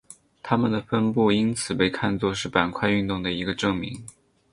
它们的分布因此被看作是板块运动的一个证明。